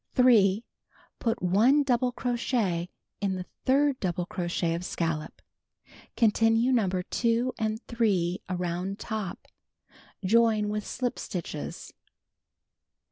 3. Put 1 double crochet in the third double crochet of scallop. Continue No. 2 and 3 around top. Join with slip stitches.